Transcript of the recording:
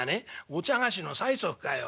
「お茶菓子の催促かよおい。